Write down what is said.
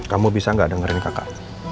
kamu bisa nggak dengerin kakak